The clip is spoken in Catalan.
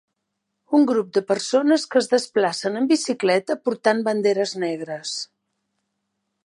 Un grup de persones que es desplacen amb bicicleta portant banderes negres.